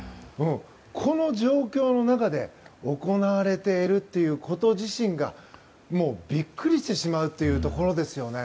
この状況の中で行われているということ自身がビックリしてしまうというところですね。